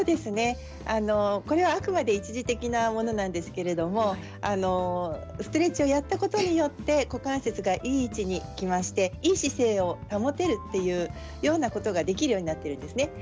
これはあくまで一時的なものなんですけれどストレッチをやったことによって股関節がいい位置にきましていい姿勢を保てるというようなことができるようになっているんですね。